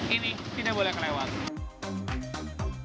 ini tidak boleh terlewat